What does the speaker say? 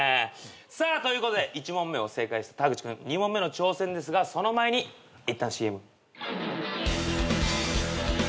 さあということで１問目を正解したタグチ君２問目の挑戦ですがその前にいったんＣＭ。